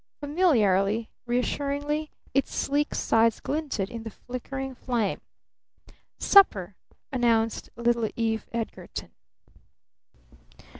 Familiarly, reassuringly, its sleek sides glinted in the flickering flame. "Supper," announced little Eve Edgarton.